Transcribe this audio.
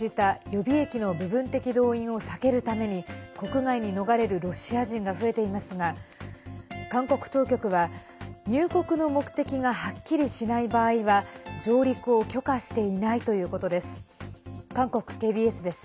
プーチン大統領が命じた予備役の部分的動員を避けるために国外に逃れるロシア人が増えていますが韓国当局は、入国の目的がはっきりしない場合は上陸を許可していないということです。